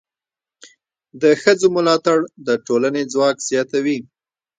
د ښځو ملاتړ د ټولنې ځواک زیاتوي.